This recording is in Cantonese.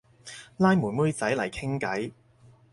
拉妹妹仔嚟傾偈